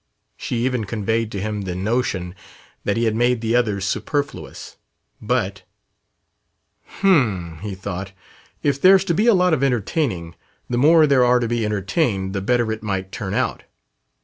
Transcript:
She even conveyed to him the notion that he had made the others superfluous. But "Hum!" he thought; "if there's to be a lot of 'entertaining,' the more there are to be entertained the better it might turn out."